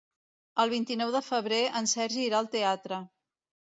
El vint-i-nou de febrer en Sergi irà al teatre.